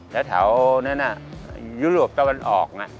แถวนั้นยุโรปต้องมันออก